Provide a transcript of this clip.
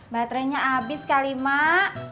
baterenya abis kali mak